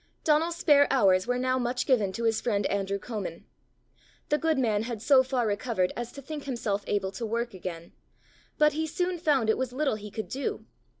Donal's spare hours were now much given to his friend Andrew Comin. The good man had so far recovered as to think himself able to work again; but he soon found it was little he could do.